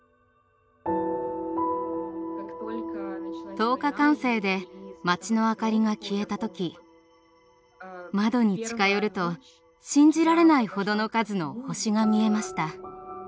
灯火管制で町の明かりが消えた時窓に近寄ると信じられないほどの数の星が見えました。